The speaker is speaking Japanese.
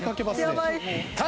やばい！